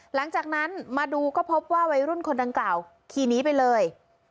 หลังจากนั้นมาดูก็พบว่าวัยรุ่นคนดังกล่าวขี่หนีไปเลย